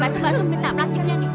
masuk masuk minta plastiknya nih